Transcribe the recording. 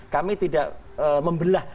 kami tidak membelah